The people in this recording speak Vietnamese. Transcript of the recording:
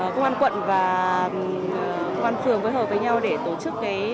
công an quận và công an phường phối hợp với nhau để tổ chức